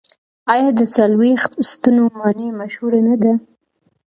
آیا د څلوېښت ستنو ماڼۍ مشهوره نه ده؟